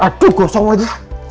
aduh gosong aja